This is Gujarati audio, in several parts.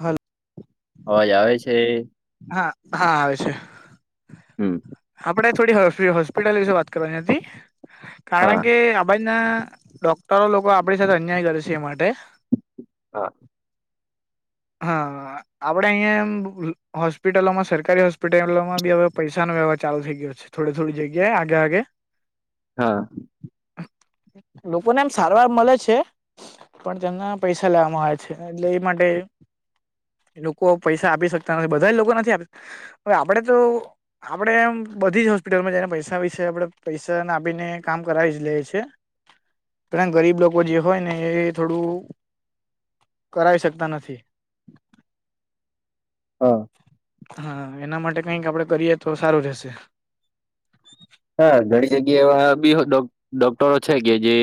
હલ અવાજ આવે છે. હા હા આવે છે. હમ્મ. આપણે થોડી હોસ્પિ-હોસ્પિટલ વિશે વાત કરવાની હતી કારણ હા કે આ બાજના ડોક્ટરો લોકો આપણી સાથે અન્યાય કરે છે એ માટે હા. હા આપણેે અહીંયા એમ હોસ્પિટલોમાં સરકારી હોસ્પિટલોમાં બી હવે પૈસા નો વ્યવહાર ચાલુ થઈ ગયો છે થોડી થોડી જગ્યાએ આગે આગે હા. લોકોને એમ સારવાર મલે છે. પણ તેમના પૈસા લેવામાં આવે છે એટલે એ માટે લોકો પૈસા આપી શકતા નથી બધાય લોકો નથી આપી હવે આપડે તો આપડે એમ બધી જ હોસ્પિટલમાં જઈને પૈસા વિશે આપડે પૈસાના આપીને કામ કરાવી જ લઈએ છીએ. પણ એમ ગરીબ લોકો જે હોય ને એ થોડું કરાવી શકતા નથી. હા. હા એના માટે કઈક આપડે કરીએ તો સારું રહેશે હા ઘણી જગ્યા એવા બી ડોક-ડોક્ટરો છે કે જે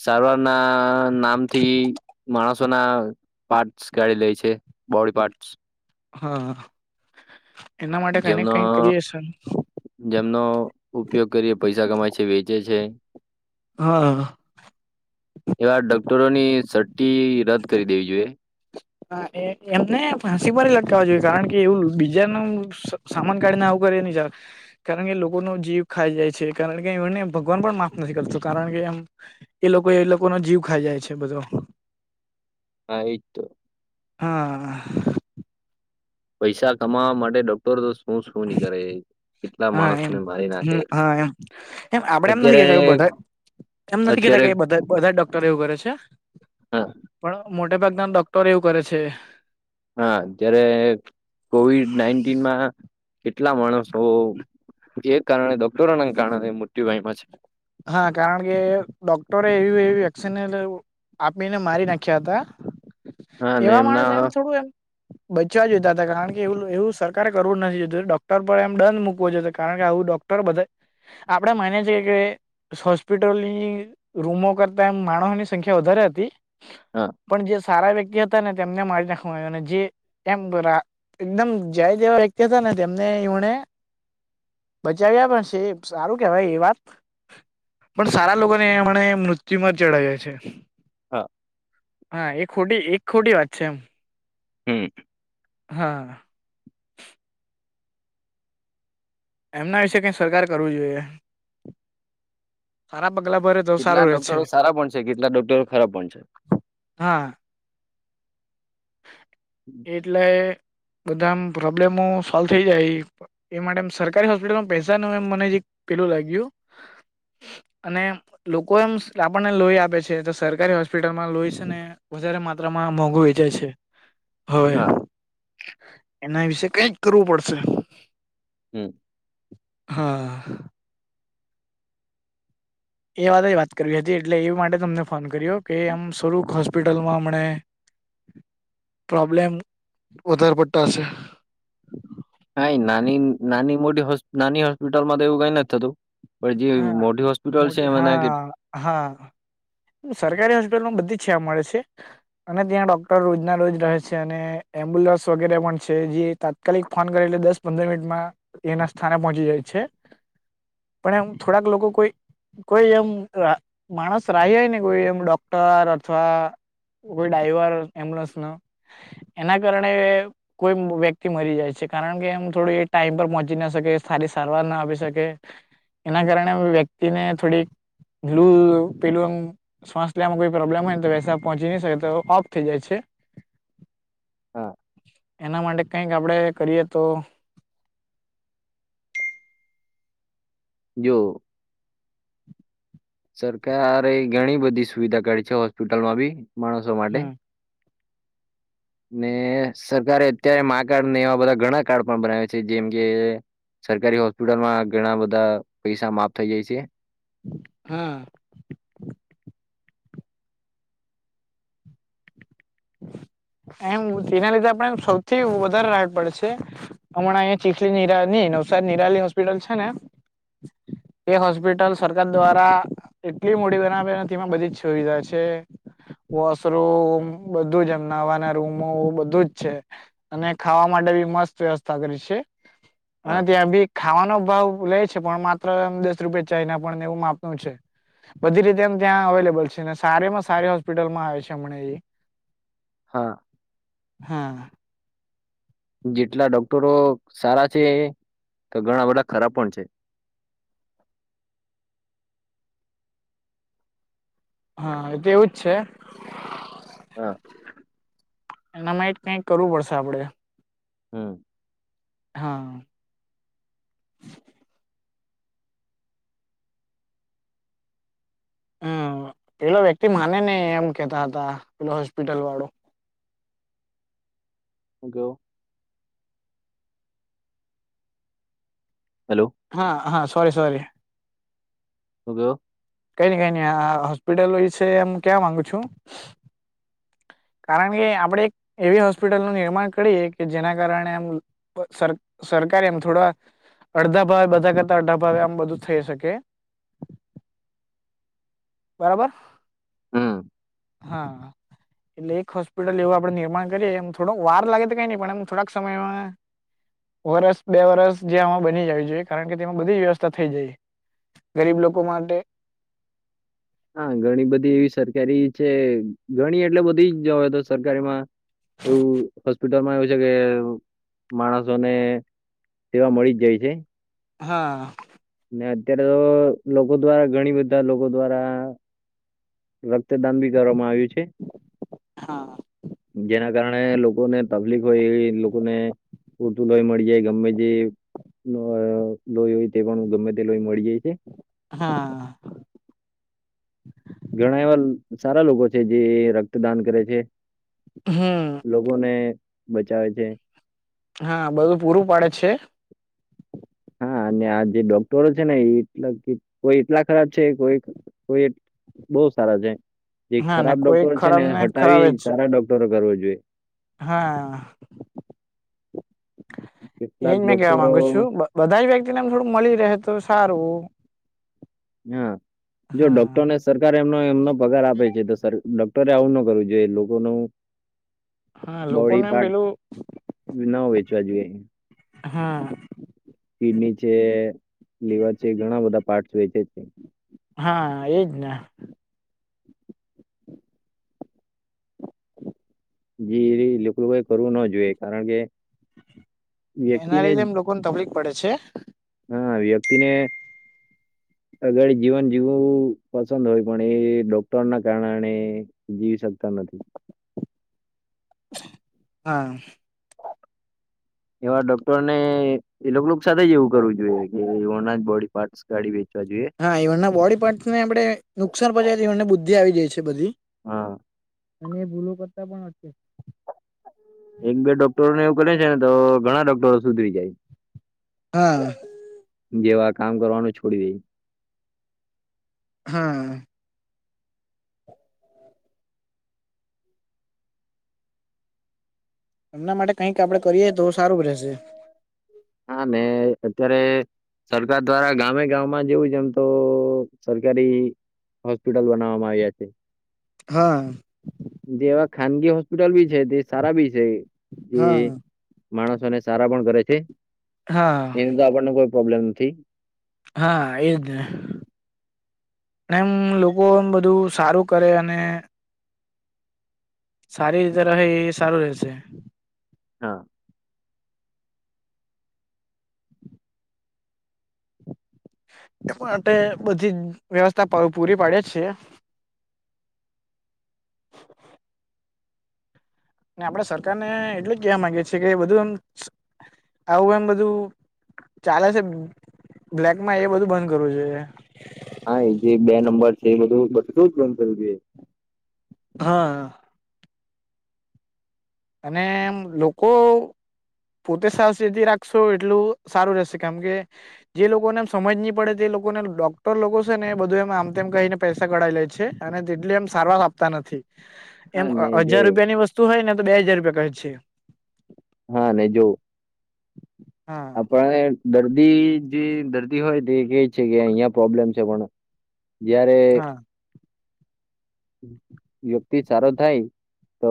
સારવારના નામથી માણસોના પાર્ટસ કાઢી લે છે બોડી પાર્ટસ હા એના માટે કઈને જેમનો કઈ કરીએ સર જેમનો ઉપયોગ કરીએ પૈસા કમાય છે વેચે છે. હા. એવા ડોક્ટરોની સર્ટિ રદ કરી દેવી જોઈએ. હા એ એ એમને ફાંસી પર લટકવવા જોઈએ. કારણ કે એવું બીજાનું સા-સામાન કાઢીને આવું કરે એ નહી ચાલે. કારણ કે લોકોનો જીવ ખાઈ જાય છે કારણ કે એઓને ભગવાન પણ માફ નથી કરતો કારણ કે એમ એ લોકો એ લોકો નો જીવ ખાઈ જાય છે બધો હા એતો હા આ પૈસા કમાવા માટે ડોક્ટરો દો કોણ શું નીકળે એય કેટલા હા માણસને મારી નાખે આપળે એમ નથી અત્યારે કેતા કે બધા એમ નથી કેતા અત્યારે કે બધા બધાય ડોક્ટર એવું કરે છે. પણ મોટે ભાગના આમ ડોક્ટર એવું કરે છે. હા જ્યારે કોવિડ નાઈન્ટીનમાં આ કેટલા માણસો કે કારણે ડોક્ટરો ના કારણે મુત્યુ પાયમાં છે. હા કારણ કે ડોક્ટરો એવી એવી વેક્સિનને એવું આબીને મારી નાખ્યા હતા હા અને એવા એમના માણસ એમ થોડું એમ બચવા જોયતા હતા કારણ કે એવુંલુ એવું સરકારે કરવું નથી જોતું ડોક્ટર પર એમ દંન મુકવો જોતો કારણ કે આવું ડોક પર બધાય આપડે માનીએ છીએ કે સહોસ્પિટલની રૂમો કરતા એમ માણહની સંખ્યા વધારે હતી હા. પન જે સારા વ્યક્તિ હતા ને તેમને મારી નાખવામાં આયવા ને જે તેમ બરા એકદમ જાય તેવા વ્યક્તિ હતા ને તેમને એવોને બચાવ્યા પણ સે સારું કેવાય એ વાત પણ સારા લોકોને મને મૃત્યુમાં ચડાયા છે. હ હા એ ખોટી એક ખોટી વાત છે એમ હમ્મ. હા. એમના વિશે કઈ સરકારે કરવું જોઈએ. સારા બગલા ભરે તો સારું કેટલાક રહે છે ડોક્ટરો સારા પણ છે કેટલાક ડોક્ટરો ખરાબ પણ છે. હા. એટલે બધા આમ પ્રોબ્લેમો સોલ્વ થઈ જાય એમ એ માટે એમ સરકારી હોસ્પિટલમાં પૈસા ન એમ મને હજીક પેલું લાગ્યું અનેમ લોકો એમસ લાપણને લોઇ આપે છે તો સરકારી હોસ્પિટલમાં લોઇ સેને વધારે માત્રામાં મોંઘુ વેચાય છે. હોય હા એમના વિશે કઈક કરવું પડશે. હમ્મ. હા-હા-હા. ઈએ વાત જ વાત કરવી હતી એટલે એવ માટે તમને ફોન કર્યો કે આમ સ્વરૂ ખાસ પિટલમાં અમણે પ્રોબ્લેમ વધાર પડતાં હશે. નઈન નાનીન નાની મોટી હોસ નાની હોસ્પિટલ માં તો એવું કઈ નથ થતું પર જે હા મોટી હોસ્પિટલ છે મોટી એમાંનાય કે હા હા સરકારી હોસ્પિટમાં બધી જ છે મળે છે. અને ત્યાં ડોક્ટર રોજના રોજ રહે છે અને એમ્બુલસ વગેરે પણ છે જે તાત કાલીક ફોન કરે એટલે દસ પંદર મિટમાં એના સ્થાને પોચી જાય છે. પણ એમ થોડાક લોકો કોઈ કોઈ એમ અ માણસ રાઈ ઓયને કોઈ એમ ડોક્ટર અથવા કોઈ ડાઈવર એમ્બૂલસ નું એના કારણે કોઈમ બો વ્યક્તિ મરી જાય છે કારણ કે એમ થોડી ટાઈમ પર પોચી ન શકે સારી સારવાર ના આપી શકે એના કારણે વ્યક્તિને થોડીક લુ પેલું આમ શ્વાસ લેવામાં કોઈ પ્રોબ્લેમ હોય નેતો વૈસા પોચી નઈ શકે તો ઓફ થઈ શકે છે. એના માટે કંઈક આપડે કરીએ તો જો. સરકારે ઘણી બધી સુવિધા કરી છે હોસ્પિટલમાં બી માણસો માટે હમ [inaudible] ને સરકારે અત્યારે મા કાર્ડ ને એવા બધા ઘણા કાર્ડ પણ બનાવ્યા છે જેમ કે સરકારી હોસ્પિટલમાં ઘણા બધા પૈસા માફ થઇ જાય છે. હમ એમ તેના લીધે આપડે સૌથી વધારે રાડ પડે છે. હમણાં અહીં ચીખલી નિરાની નવસારી નિરાલી હોસ્પિટલ છે ને. એ હોસ્પિટલ સરકાર દ્વારા એટલી મોડી બનાવી બધી જ સુવિધા છે. વોશરૂમ બધું જ એમ નાવાના રૂમો બધું જ છે. અને ખાવા માટે બી મસ્ત વ્યવસ્થા કરી છે અને હા ત્યાં બી. ખાવાનો ભાવ લે છે પણ માત્ર દસ રૂપિયા ચાય ના પણને એવું માપનું છે. બધી રીતે એમ ત્યાં અવેલેબલ છે ને સારે માં સારી હોસ્પિટલમાં આવે છે હમણાં એ. હા. હમ. જેટલા ડોક્ટરો સારા છે તો ઘણા બધા ખરાબ પણ છે. હા એતો એવું જ છે. હા. એના માટે એ કઈક કરવું પડશે આપડે. હમ. હા. હમ પેલો વ્યક્તિ માને નઇ એમ કેતા હતા પેલો હોસ્પિટલ વાળો. હું કેવું. હેલો. હા હા સોરી સોરી. હું કેવું. કઈ નઇ કઈ નઇ હોસ્પિટલ વિશે એમ કેવા માંગુ છુ. કારણ કે આપણેે એક એવી હોસ્પિટલનું નિર્માણ કરીએ કે જેના કારણે આમ. સર સરકાર એમ થોડા અડધા ભાવે બધા કરતા અડધા ભાવે આમ બધું થઈ શકે. બરાબર. હમ. હા. એટલે એક હોસ્પિટલ એવુ આપડે નિર્માણ કરીએ એમ થોડોક વાર લાગે તો કઈ નહીં પણ એ થોડાક સમયમાં. વરસ બે વરસ જે આમાં બની જાય છે કારણ કે તેમાં બધી જ વ્યવસ્થા થઈ જાય. ગરીબ લોકો માટે. હા ઘણી બધી એવી સરકારી છે ઘણી એટલે બધી જોય તો સરકારી માં. એવું હોસ્પિટલમાં એવું છે કે માણસોને. સેવા મળી જ જાય છે. હા. ને અત્યારે તો લોકો દ્વારા ઘણી બધા લોકો દ્વારા. રક્તદાન બી કરવામાં આવ્યું છે. જેના કારણે લોકોને તકલીફ હોય એવી લોકોને. પૂરતું લોહી મળી જાય ગમે જે લોહી હોય તે પણ. ગમે તે લોય મળી જાય છે. હા. ઘણા એવા સારા લોકો છે, જે રક્તદાન કરે છે. હ.. લોકોને, બચાવે છે. હા, બધું પૂરું પડે છે. હા, અને આ જે ડોક્ટરો છે ને, એટલા કોઈ એટલા ખરાબ છે. કોઈ કોઈ- -બઉ સારા છે. જે હા ને ખરાબ કોઈ ડોક્ટરો છે ને ખરાબ ખરાબ હટાવી જ છે સારા ડોક્ટરો કરવા જોઈએ. હા, એજ કેટલાક મેં કેવા ડોક્ટરો માંગુ છું. બધાય વ્યક્તિ ને, આમ થોડું મળી રહે તો સારું. હ, જો હા ડોક્ટર ને, સરકાર એમનો એમનો પગાર આપે છે. છે તો સર ડોક- -ટરે આવું ન કરવું જોઈએ, લોકો નું- હા લોકોને બોડી એમ પાર્ટ પેલું ન વેચવા જોઈએ. હા. કિડની છે, લીવર છે ઘણા બધા પાર્ટ વેચે છે. હા, એજ ને. જે, એ લોકોએ કરવું ના જોઈએ. કારણ કે- એના વ્યક્તિને લીધે એમ લોકોને તકલીફ પડે છે. હા વ્યક્તિને- અગાળી જીવન જીવવું પસંદ હોય, પણ એ ડોક્ટર ના કારણે- જીવી શકતા નથી. હા. એવા ડોક્ટર ને- -એ લોકોનું સાથે જ એવું કરવું જોઈએ, કે એઓના જ બોડી પાર્ટસ કાઢી વેચવા જોઈએ. હા, ઈવણના જ બોડી પાર્ટ ને આપડે નુકસાન પહોંચાડી દેવાન બુદ્ધિ આવી જાય છે. બધી- હા. અને ભૂલો કરતા પણ અટકે. એક બે ડોક્ટરોને એવું કરીએ જાય ને તો ઘણા ડોક્ટરો સુધરી જાય. હા. -જેવા કામ કરવાનું છોડી દેય. હા. એમના માટે કઈક આપડે કરીએ, તો સારું રહેશે. હા, મેં અત્યારે- સરકાર દ્વારા ગામે ગામાં જેવું જ, એમ તો સરકારી- -હોસ્પિટલ બનાવવામાં આવ્યા છે. હા. જેવા, ખાનગી હોસ્પિટલ બી છે. તે સારા બી છે. હા જે- માણસોને સારા પણ કરે છે, હા એની તો આપણને કોઈ પ્રોબ્લેમ નથી. હા, એ જ ને. ને, એમ લોકો એમ બધું સારું કરે અને- સારી રીતે રહ, એ સારું રહેશે. હા. એ માટે, બધી વ્યવસ્થા પ પૂરી પાડે છે. આપણેે સરકારને એટલું જ કહેવા માંગી છેએ કે, બધું એમ આવું એમ બધું- ચાલે છે બ્લેકમાં, એ બધું બંધ કરવું જોઈએ. હા એ જે બે નંબર છે, એ બધુ બધુંજ બંધ કરવુ જોઈએ. હા. અને એમ લોકો પોતે સાવ ચેતી રાખશો એટલું સારું રહેશે કેમ કે જે લોકો ને એમ સમજ નહી પડે તે લોકોને ડોક્ટર લોકો છે ને એ બધું એમ આમ તેમ કહીને પૈસા કઢાવી લે છે. અને તેટલી એમ સારવાર આપતા નથી. એમ હા ને જો હજાર રૂપિયા ની વસ્તુ હોય ને તો બે હજાર રૂપિયા કહે છે. હા નહી જોવું. હા આપણે દર્દી જે દર્દી હોય તે કેય છે કે અહિયાં પ્રોબ્લેમ છે પણ જયારે હા વ્યક્તિ સારો થાય તો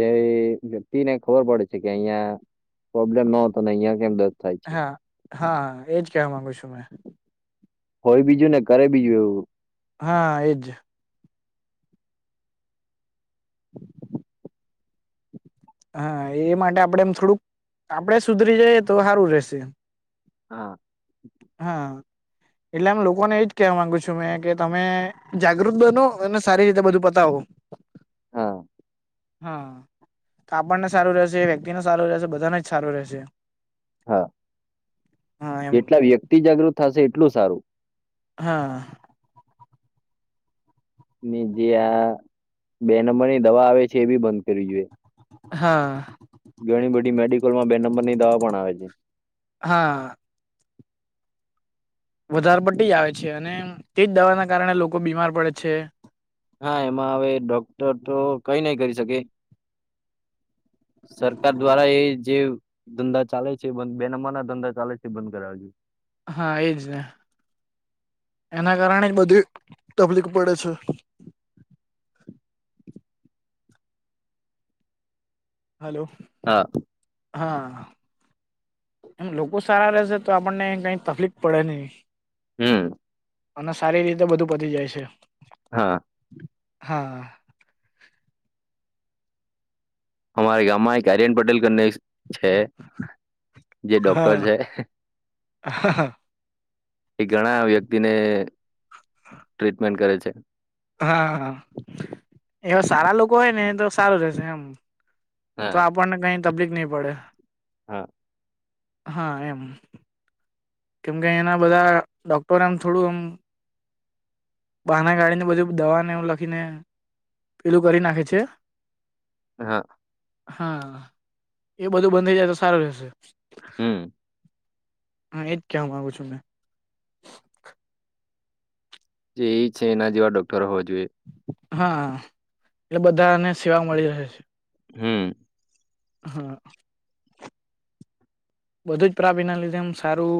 તે વ્યક્તિ ને ખબર પડે છે કે અહિયાં પ્રોબ્લેમ ન હતોને અહિયાં કેમ થાય છે. હા હા એજ કેવા માંગુ છું મેં હોય બીજું ને કરે બીજું એવું હા એજ હા એ માટે આપડે એમ થોડુંક આપડે સુધરી જઈએ તો સારું રહેશે હા. હા એટલે લોકોને એજ કહેવા માંગુ છું મેં કે તમે જાગૃત બનો અને સારી રીતે બધું પતાવો હા. હા આપણને સારું રહેશે વ્યક્તિને સારું રહેશે બધાને જ સારું રહેશે હા હા એમ જેટલા વ્યક્તિ જાગૃત થશે એટલું સારું હા. ની જે આ બે નંબરની દવા આવે છે એ બી બંધ કરવી જોઈએ. હા. ઘણી બધી મેડિકલ માં બે નંબર ની દવા પણ આવે છે હા. વધારે પટી આવે છે અને તેજ દવાના કારણે લોકો બીમાર પડે છે. હા એમાં હવે ડોક્ટર તો કઈ નઈ કરી શકે સરકાર દ્વારા એ જે ધંધા ચાલે છે બંધ બે નંબર ના ધંધા ચાલે છે બંધ કરાવ જોઈએ હા એજ ને એના કારણે જ બધી તકલીફ પડે છે. હલો. હા. હા. એમ લોકો સારા રહેશે તો આપણને કઈ તકલીફ પડે નહી. હમ્મ. અને સારી રીતે બધું પતી જાય છે. હા. હા. અમારા ગામમાં એક આર્યન પટેલને કરી ને છે જે ડોક્ટર છે હા હા. એ ઘણા વ્યક્તિને ટ્રીટમેન્ટ કરે છે. હા હા એવા સારા લોકો હોય ને એ તો સારું રહેશે એમ તો હા આપણને કઈ તકલીફ નહી પડે. હા. હા એમ. કેમ કે એના બધા ડોક્ટર એમ થોડું એમ બાના કાઢીને બધું દવાને એવું લખીને પેલું કરી નાખે છે. હા. હા, એ બધું બંધ થઈ જાય તો સારું રહેશે. હમ હા, એજ કેવા માગુ છુ ને. જે એ છે એના જેવા ડોક્ટર હોવા જોઈએ. હા એટલે બધાને સેવા મળી રહે છે. હમ્મ. હા. બધું જ પ્રાભીના લીધે એમ સારું.